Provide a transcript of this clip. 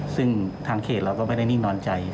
ซึ่งทางเขตเราก็ไม่ได้นิ่งนอนใจ